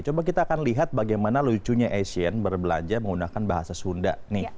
coba kita akan lihat bagaimana lucunya asian berbelanja menggunakan bahasa sunda nih